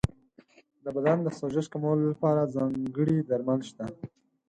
د بدن د سوزش کمولو لپاره ځانګړي درمل شته.